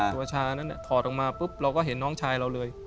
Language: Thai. ชานั้นถอดออกมาปุ๊บเราก็เห็นน้องชายเราเลย